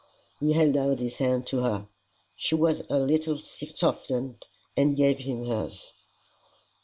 He held out his hand to her. She was a little softened, and gave him hers.